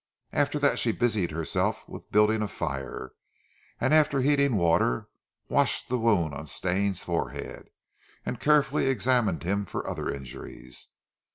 After that she busied herself with building a fire, and after heating water, washed the wound on Stane's forehead, and carefully examined him for other injuries.